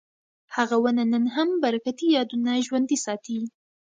هغه ونه نن هم برکتي یادونه ژوندي ساتي.